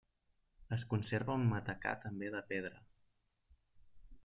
Es conserva un matacà també de pedra.